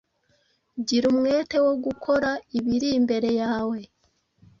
Gira umwete wo gukora ibiri imbere yawe